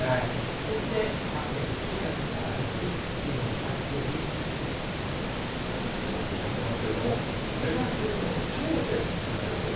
そしてキャプテンの姫野選手の復帰、チームを引っ張るプレー日本代表も公言してますけれども、目指しているのはもう頂点なんですよね。